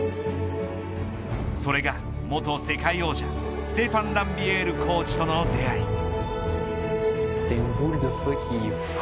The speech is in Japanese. それが、元世界王者ステファン・ランビエールコーチとの出会い。